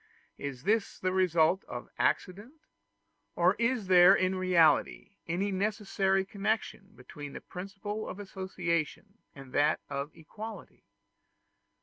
Is this the result of accident? or is there in reality any necessary connection between the principle of association and that of equality?